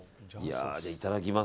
いただきます。